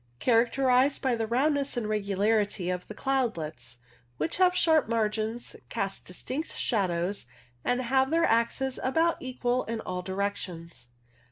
Characterized by the roundness and regularity of the cloudlets, which have sharp margins, cast distinct shadows, and have their axes about equal in all directions.